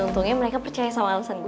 dan untungnya mereka percaya sama alasan gue